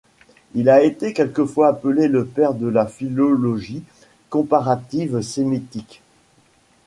Il a été quelquefois appelé le père de la philologie comparative sémitique.